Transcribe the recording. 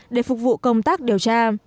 để phục vụ công tác điều tra